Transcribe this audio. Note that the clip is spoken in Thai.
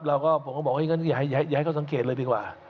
แล้วก็ผมก็บอกว่าอย่างงั้นอย่าให้เขาสังเกตเลยดีกว่า